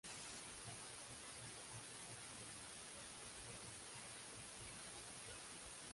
El propósito más importante de un mapa político es mostrar las fronteras territoriales.